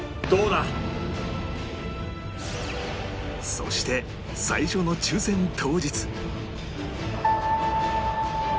そして最初の抽せん当日